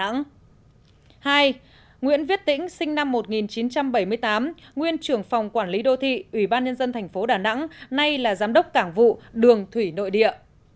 nguyễn viết tĩnh sinh năm một nghìn chín trăm bảy mươi tám nguyên trưởng phòng quản lý đô thị ủy ban nhân dân tp đà nẵng nay là giám đốc cảng vụ đường thủy nội địa